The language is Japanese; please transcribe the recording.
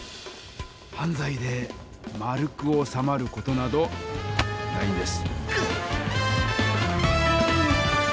犯罪で円くおさまる事などないんです！